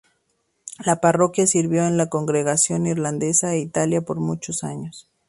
La parroquia sirvió a una congregación irlandesa e italiana por muchos años.